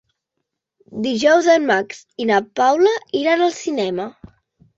Dijous en Max i na Paula iran al cinema.